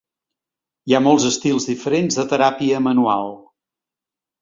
Hi ha molts estils diferents de teràpia manual.